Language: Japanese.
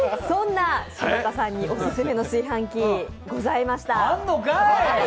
そんな柴田さんにお勧めの炊飯器ございました。